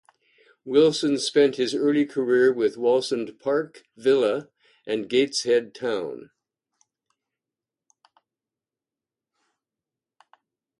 Wilson spent his early career with Wallsend Park Villa and Gateshead Town.